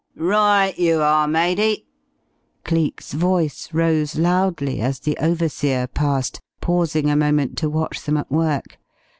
"Right you are, matey." Cleek's voice rose loudly as the overseer passed, pausing a moment to watch them at work.